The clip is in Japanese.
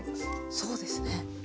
そうですね。